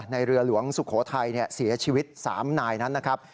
เรือหลวงสุโขทัยเสียชีวิต๓นายนั้นนะครับ